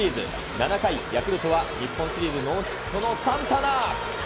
７回、ヤクルトは日本シリーズノーヒットのサンタナ。